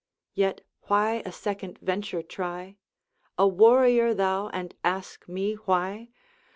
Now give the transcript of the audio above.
'Yet why a second venture try?' 'A warrior thou, and ask me why!